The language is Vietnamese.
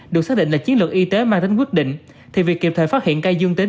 được xác định là chiến lược y tế mang đến quyết định thì việc kịp thời phát hiện ca dương tính